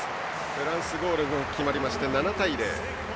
フランスゴールが決まりまして７対０。